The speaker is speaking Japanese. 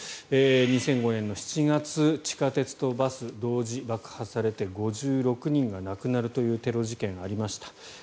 ２００５年７月、地下鉄とバス同時爆破されて５６人が亡くなるというテロ事件がありました。